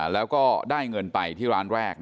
แล้วก็ได้เงินไปที่ร้านแรก